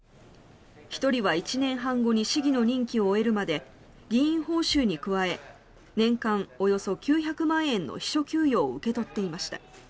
１人は１年半後に市議の任期を終えるまで議員報酬に加え年間およそ９００万円の秘書給与を受け取っていました。